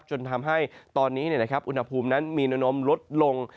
จนทำให้ตอนนี้นะครับอุณหภูมิน้ำลดลง